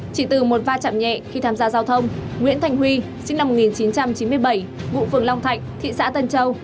chỉ từ một va chạm nhẹ khi tham gia giao thông nguyễn thành huy sinh năm một nghìn chín trăm chín mươi bảy ngụ phường long thạnh thị xã tân châu